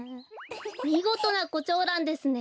みごとなコチョウランですね。